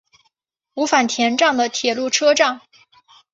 五反田站的铁路车站。